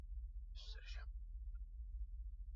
Unaweza kusaga viazi lishe mashineni